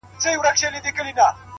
ښايستو کي خيالوري پيدا کيږي!!